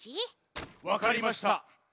わかりました。